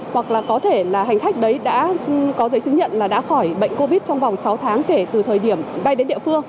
hoặc là có thể là hành khách đấy đã có giấy chứng nhận là đã khỏi bệnh covid trong vòng sáu tháng kể từ thời điểm bay đến địa phương